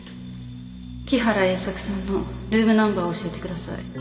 木原栄作さんのルームナンバーを教えてください。